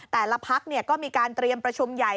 แต่ละพักก็มีการเตรียมประชุมใหญ่